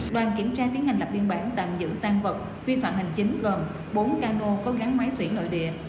đoàn kiểm tra tiến hành lập biên bản tàn dự tan vật vi phạm hành chính gồm bốn cano có gắn máy thủy nội địa